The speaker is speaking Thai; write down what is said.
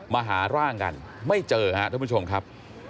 มาหาร่างกันไม่เจอครับท่านผู้ชมครับ